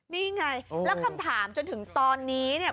นี่ไงแล้วคำถามจนถึงตอนนี้เนี่ย